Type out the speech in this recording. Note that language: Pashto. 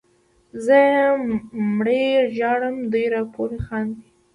زه یې مړی ژاړم دوی راپورې خاندي